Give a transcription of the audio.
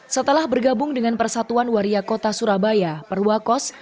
setelah bergabung dengan persatuan waria kota surabaya perwakos